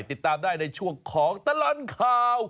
ติดตามได้ในช่วงของตลอดข่าว